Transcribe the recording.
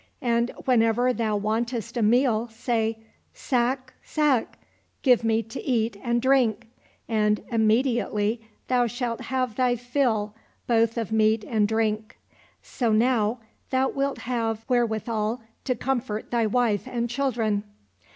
And whenever thou wantest a meal say, ' Sack, sack, give me to eat and drink !' and immediately thou shalt have thy fill both of meat and drink, so now thou wilt have wherewithal to comfort thy wife and children."